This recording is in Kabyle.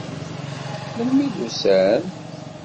Melmi i d-usan?